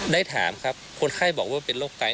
ได้ถามครับคนไข้บอกว่าเป็นโรคไต